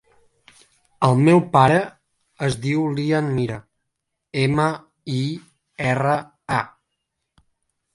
El meu pare es diu Lian Mira: ema, i, erra, a.